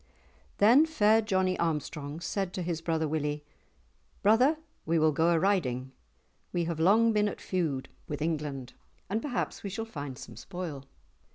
Then fair Johnie Armstrong said to his brother Willie, "Brother, we will go a riding. We have long been at feud with England, and perhaps we shall find some spoil."